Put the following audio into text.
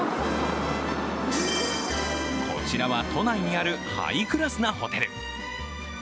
こちらは、都内にあるハイクラスなホテル。